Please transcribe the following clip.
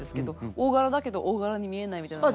大柄だけど大柄にみえないみたいなのは。